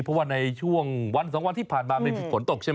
เพราะว่าในช่วงวัน๒วันที่ผ่านมามันมีฝนตกใช่ไหม